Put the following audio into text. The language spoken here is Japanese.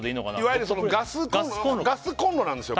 いわゆるガスコンロなんですよ